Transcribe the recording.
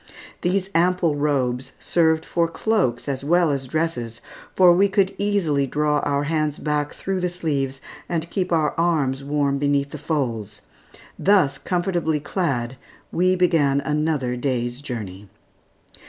These ample robes served for cloaks as well as dresses for we could easily draw our hands back through the sleeves and keep our arms warm beneath the folds. Thus comfortably clad, we began another day's journey.